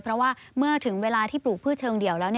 เพราะว่าเมื่อถึงเวลาที่ปลูกพืชเชิงเดี่ยวแล้ว